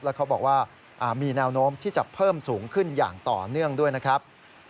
แล้วเขาบอกว่ามีแนวโน้มที่จะเพิ่มสูงขึ้นอย่างต่อเนื่องด้วยนะครับ